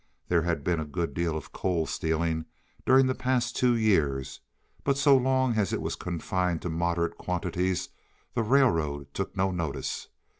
There had been a good deal of coal stealing during the past two years, but so long as it was confined to moderate quantities the railroad took no notice.